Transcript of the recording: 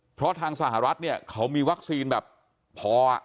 เพราะทางสหรัฐเนี่ยเขามีวัคซีนแบบพอ